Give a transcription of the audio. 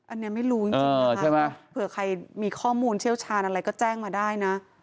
อันนี้ไม่รู้จริงนะคะเผื่อใครมีข้อมูลเชี่ยวชาญอะไรก็แจ้งมาได้นะ